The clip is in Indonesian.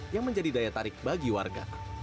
yang menjadi daya tarik bagi warga